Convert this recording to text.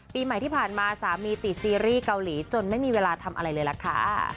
ปีใหม่ที่ผ่านมาสามีติดซีรีส์เกาหลีจนไม่มีเวลาทำอะไรเลยล่ะค่ะ